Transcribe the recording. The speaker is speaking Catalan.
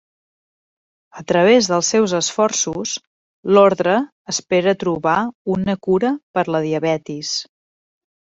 A través dels seus esforços, l'orde espera trobar una cura per a la diabetis.